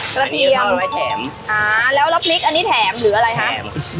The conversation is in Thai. กระเทียมอันนี้ทอดไว้แถมอ่าแล้วรอบนิกอันนี้แถมหรืออะไรครับแถม